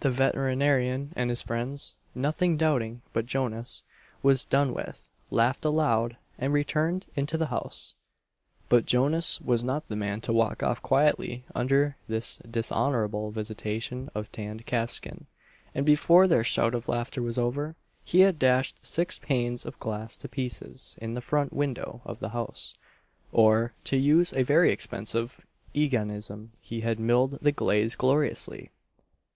The veterinarian and his friends, nothing doubting but Jonas was done with, laughed aloud, and returned into the house; but Jonas was not the man to walk off quietly under this dishonourable visitation of tanned calfskin, and before their shout of laughter was over, he had dashed six panes of glass to pieces in the front window of the house or, to use a very expressive Eganism he had milled the glaze gloriously!